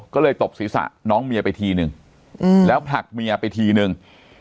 ก็เลยตบศีรษะน้องเมียไปทีนึงแล้วผลักเมียไปทีนึง